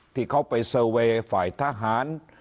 ที่เขาไปเซอร์เวย์ฝ่ายทหาร